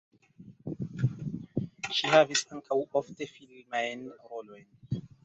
Ŝi havis ankaŭ ofte filmajn rolojn.